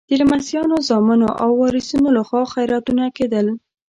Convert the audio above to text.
د لمسیانو، زامنو او وارثینو لخوا خیراتونه کېدل.